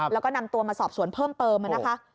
แล้วก็นำตัวมาสอบสวนเพิ่มเติมนะคะ